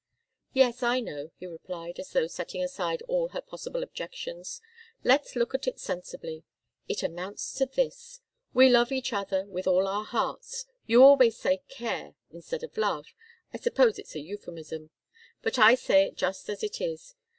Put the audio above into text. "Yes, I know," he replied, as though setting aside all her possible objections. "Let's look at it sensibly. It amounts to this. We both love each other with all our hearts. You always say 'care' instead of 'love.' I suppose it's a euphemism. But I say it just as it is.